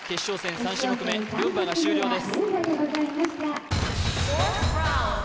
３種目めルンバが終了です